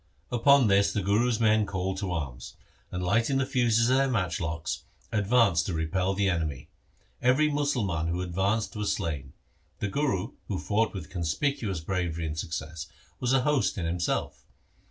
Upon this the Guru's men called to arms, and lighting the fuses of their matchlocks advanced to repel the enemy. Every Musalman who advanced was slain. The Guru, who fought with conspicuous bravery and success, was a host in himself.